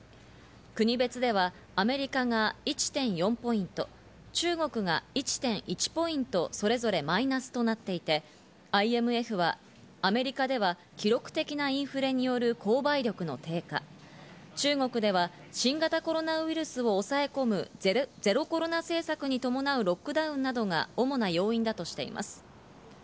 国別ではアメリカが１．４ポイント、中国が１．１ポイントそれぞれマイナスとなっていて、ＩＭＦはアメリカでは記録的なインフレによる購買力の低下、中国では新型コロナウイルスを抑え込むゼロコロナ政策に伴うロックダウンなどが主な要因だとしています。